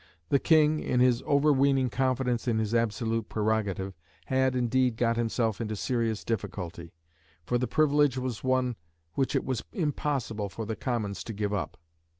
The King, in his overweening confidence in his absolute prerogative, had, indeed, got himself into serious difficulty; for the privilege was one which it was impossible for the Commons to give up.